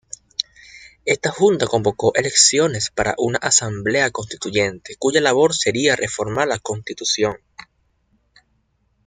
Esta Junta convocó elecciones para una Asamblea Constituyente, cuya labor sería reformar la Constitución.